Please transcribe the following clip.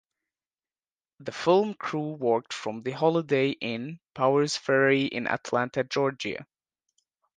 The film crew worked from the Holiday Inn Powers Ferry in Atlanta, Georgia.